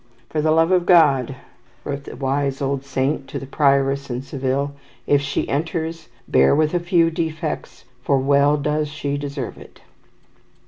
"For the love of God," wrote the wise old saint to the prioress in Seville, "if she enters, bear with a few defects, for well does she deserve it."